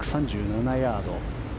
１３７ヤード。